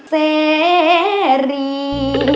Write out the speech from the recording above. เซรี